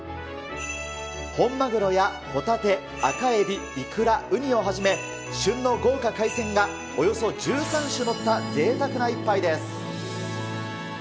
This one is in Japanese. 本マグロやホタテ、赤エビ、イクラ、ウニをはじめ、旬の豪華海鮮がおよそ１３種載ったぜいたくな一杯です。